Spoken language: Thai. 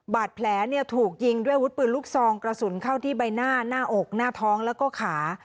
บาดแผลเนี่ยถูกยิงด้วยอาวุธปืนลูกซองกระสุนเข้าที่ใบหน้าหน้าอกหน้าท้องแล้วก็ขา